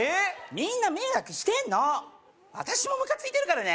みんな迷惑してんの私もムカついてるからね